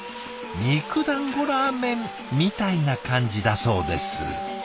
肉だんごラーメンみたいな感じだそうです。